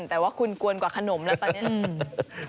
แต่ว่าคุณกวนกว่าขนมแล้วตอนนี้